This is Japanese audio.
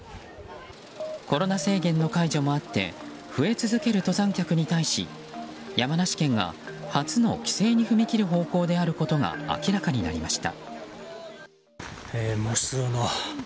コロナ制限の解除もあって増え続ける登山客に対し山梨県が初の規制に踏み切る方向であることが明らかになりました。